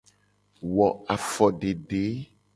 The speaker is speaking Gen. Wo afodede.